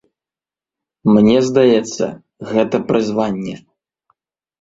Мне здаецца, гэта прызванне.